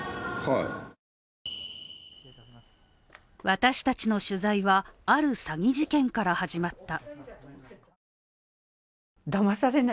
私たちの取材はある詐欺事件から始まった。